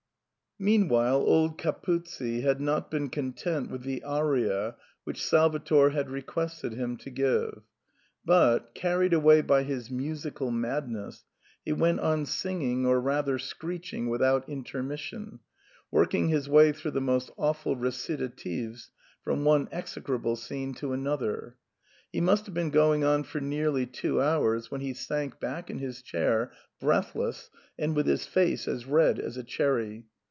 Meanwhile old Capuzzi had not been content with the aria which Salvator had requested him to give, but, carried away by his musical madness, he went on sing ing or rather screeching without intermission, working his way through the most awful recitatives from one execrable scene to another. He must have been going on for nearly two hours when he sank back in his chair, breathless, and with his face as red as a cherry.